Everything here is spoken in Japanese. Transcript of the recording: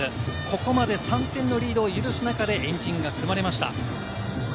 ここまで３点のリードを許す中で円陣が組まれました。